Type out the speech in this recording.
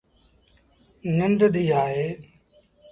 ننڊ ڌيٚ آئي۔ ا